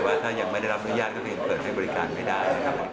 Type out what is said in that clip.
ว่าถ้ายังไม่ได้รับอนุญาตก็เปิดและมันให้บริการไม่ได้